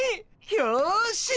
よし。